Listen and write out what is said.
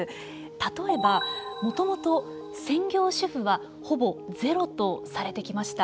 例えば、もともと専業主婦はほぼゼロとされてきました。